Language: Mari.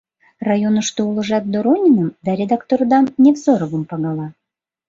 Районышто улыжат Дорониным да редактордам, Невзоровым, пагала.